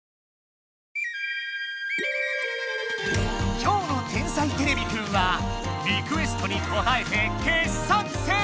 きょうの「天才てれびくん」はリクエストにこたえて「傑作選」。